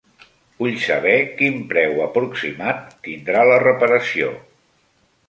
Vull saber quin preu aproximat tindrà la reparació.